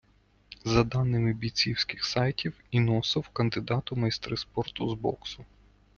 За даними бійцівський сайтів, Іносов - кандидат у майстри спорту з боксу.